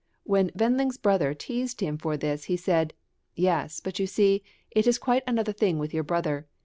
When Wend ling's brother teased him for this he said: "Yes, but you see, it is quite another thing with your brother.